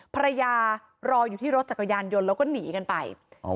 รออยู่ที่รถจักรยานยนต์แล้วก็หนีกันไป